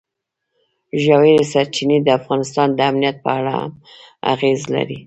ژورې سرچینې د افغانستان د امنیت په اړه هم اغېز لري.